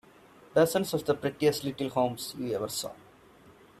Dozens of the prettiest little homes you ever saw.